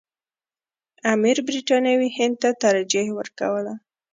امیر برټانوي هند ته ترجیح ورکوله.